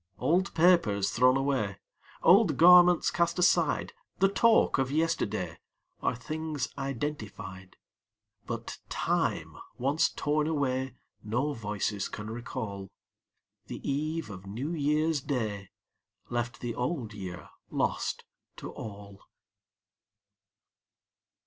Old papers thrown away, Old garments cast aside, The talk of yesterday, Are things identified; But time once torn away No voices can recall: The eve of New Year's Day Left the Old Year lost to all.